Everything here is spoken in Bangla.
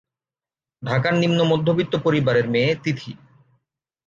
ঢাকার নিম্ন-মধ্যবিত্ত পরিবারের মেয়ে তিথি।